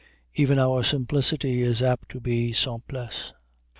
Even our simplicity is apt to be simplesse.